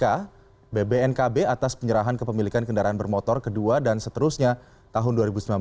atau bbnkb atas penyerahan kepemilikan kendaraan bermotor ke dua dan seterusnya tahun dua ribu sembilan belas